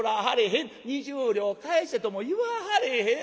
『２０両返せ』とも言わはれへん。